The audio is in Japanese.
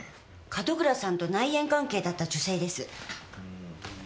門倉さんと内縁関係だった女性です。